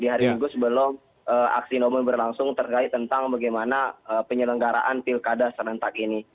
di hari minggu sebelum aksi nomin berlangsung terkait tentang bagaimana penyelenggaraan pilkada serentak ini